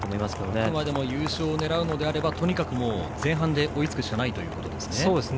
あくまでも優勝を狙うのであればとにかく前半で追いつくしかないというところですね。